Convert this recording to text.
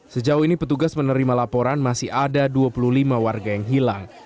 sejauh ini petugas menerima laporan masih ada dua puluh lima warga yang hilang